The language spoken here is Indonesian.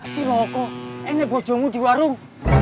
ciloko ini bojongu di warung